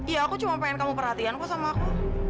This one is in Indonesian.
ya aku cuma pengen kamu perhatian kok sama aku